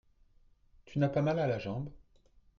Tu n'as pas mal à la jambe ?